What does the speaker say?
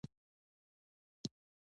نړیوال ادب او کیسه بېخي بل بحث دی.